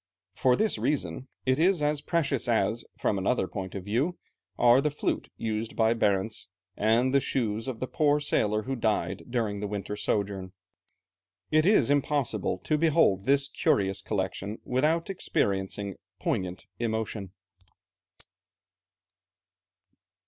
For this reason it is as precious as, from another point of view, are the flute used by Barentz, and the shoes of the poor sailor who died during the winter sojourn. It is impossible to behold this curious collection without experiencing poignant emotion.